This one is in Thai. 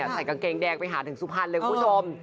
ใส่กางเกงแดงไปหาถึงสุพรรณเลยคุณผู้ชม